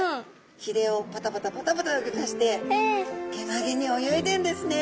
ひれをパタパタパタパタ動かしてけなげに泳いでんですね。